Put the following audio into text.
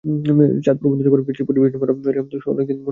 চাঁদপুর বন্ধুসভার বিশেষ পরিবেশনা র্যাম শো অনেক দিন মনে থাকবে বন্ধুদের।